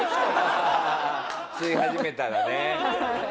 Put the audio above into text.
吸い始めたらね。